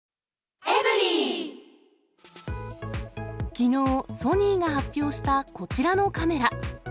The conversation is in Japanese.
きのう、ソニーが発表したこちらのカメラ。